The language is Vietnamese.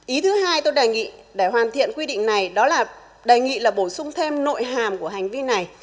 ý thứ hai tôi đề nghị để hoàn thiện quy định này đó là đề nghị là bổ sung thêm nội hàm của hành vi này